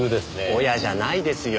「おや」じゃないですよ。